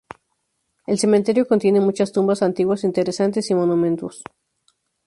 El cementerio contiene muchas tumbas antiguas interesantes y monumentos.